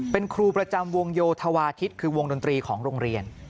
เป็นครูประจำวงโยธวาทิศคือวงดนตรีของโรงเรียน